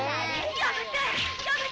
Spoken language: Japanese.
やめて！